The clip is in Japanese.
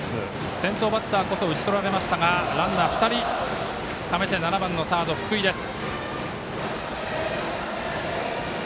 先頭バッターこそ打ち取られましたがランナー、２人ためて７番のサード、福井です。